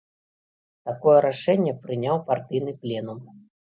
Такое рашэнне прыняў партыйны пленум.